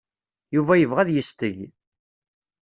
Yuba yebɣa ad yesteg.